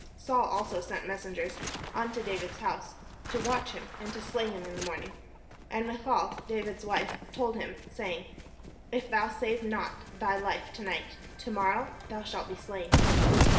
Saul also sent messengers unto David's house, to watch him, and to slay him in the morning: and Michal, David's wife, told him, saying, "If thou save not thy 554 THE SHEPHERD BOY WHO BECAME KING life to night, to morrow thou shalt be slain."